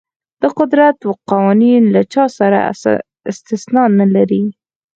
د قدرت قوانین له چا سره استثنا نه لري.